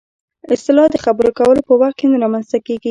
اصطلاح د خبرو کولو په وخت کې نه رامنځته کېږي